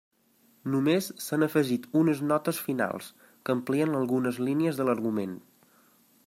Només s'han afegit unes notes finals, que amplien algunes línies de l'argument.